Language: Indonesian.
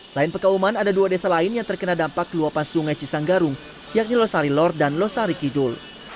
selain pekauman ada dua desa lain yang terkena dampak luapan sungai cisanggarung yakni losari lor dan losari kidul